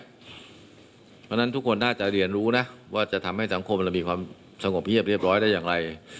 เพราะฉะนั้นทุกคนน่าจะเรียนรู้นะว่าจะทำให้สังคมเรามีความสงบเงียบเรียบร้อยได้อย่างไร